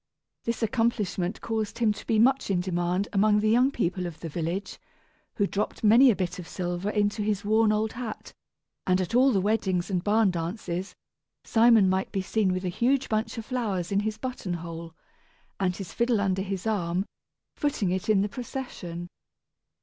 This accomplishment caused him to be much in demand among the young people of the village, who dropped many a bit of silver into his worn old hat; and at all the weddings and barn dances, Simon might be seen with a huge bunch of flowers in his buttonhole, and his fiddle under his arm, footing it in the procession.